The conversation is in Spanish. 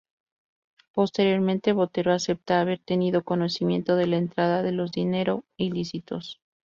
Posteriormente Botero acepta haber tenido conocimiento de la entrada de los dinero ilícitos.